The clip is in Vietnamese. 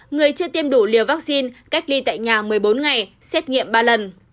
người chưa tiêm đủ liều vaccine cách ly tại nhà một mươi bốn ngày xét nghiệm ba lần